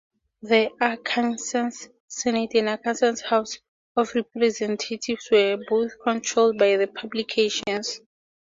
The Arkansas Senate and Arkansas House of Representatives were both controlled by the Republicans.